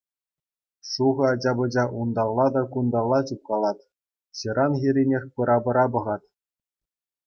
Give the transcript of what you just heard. Шухӑ ача-пӑча унталла та кунталла чупкалать, ҫыран хӗрринех пыра-пыра пӑхать.